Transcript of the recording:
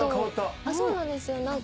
そうなんですよ。